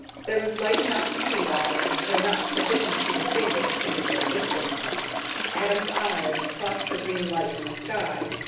There was light enough to see by, though not sufficient to distinguish things at a distance. Adam's eyes sought the green light in the sky.